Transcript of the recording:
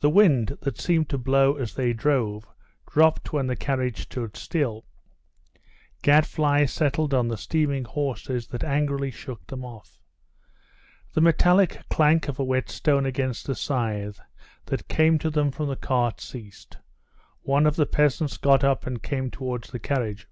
The wind, that seemed to blow as they drove, dropped when the carriage stood still; gadflies settled on the steaming horses that angrily shook them off. The metallic clank of a whetstone against a scythe, that came to them from the cart, ceased. One of the peasants got up and came towards the carriage.